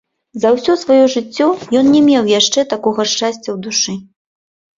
За ўсё сваё жыццё ён не меў яшчэ такога шчасця ў душы.